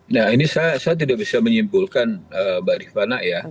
nah ini saya tidak bisa menyimpulkan mbak rifana ya